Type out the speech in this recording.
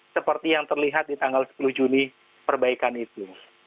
seperti yang terlihat di tanggal sepuluh juni perbaikan itu